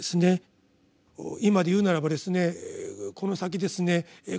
今で言うならばですねこの先ですね